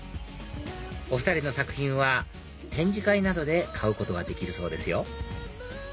お２人の作品は展示会などで買うことができるそうですよ